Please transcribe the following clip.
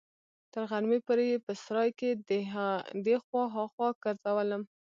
تر غرمې پورې يې په سراى کښې دې خوا ها خوا ګرځولم.